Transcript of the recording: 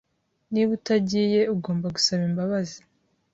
Niba utagiye, ugomba gusaba imbabazi.